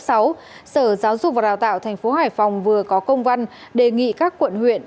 sở giáo dục và đào tạo thành phố hải phòng vừa có công văn đề nghị các quận huyện